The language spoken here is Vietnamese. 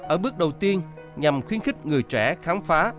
ở bước đầu tiên nhằm khuyến khích người trẻ khám phá